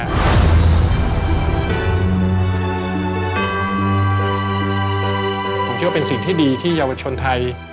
ผมคิดว่าเป็นสิ่งที่ดีที่เยาวชนไทย